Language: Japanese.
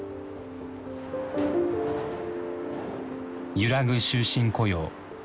揺らぐ終身雇用。